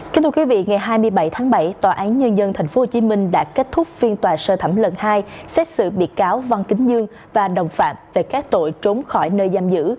kính thưa quý vị ngày hai mươi bảy tháng bảy tòa án nhân dân tp hcm đã kết thúc phiên tòa sơ thẩm lần hai xét xử bị cáo văn kính dương và đồng phạm về các tội trốn khỏi nơi giam giữ